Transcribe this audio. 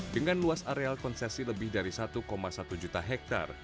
dengan luas areal konsesi lebih dari satu satu juta hektare